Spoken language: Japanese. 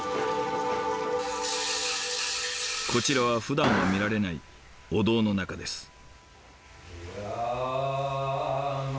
こちらはふだんは見られないお堂の中です。